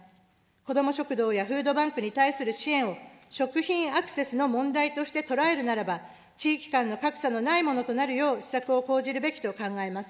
子ども食堂やフードバンクに対する支援を食品アクセスの問題として捉えるならば、地域間の格差のないものとなるよう、施策を講じるべきと感じます。